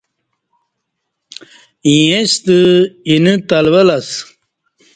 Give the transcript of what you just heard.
ایںستہ اینہ تلول اسہ